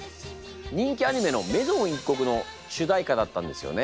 人気アニメの「めぞん一刻」の主題歌だったんですよね。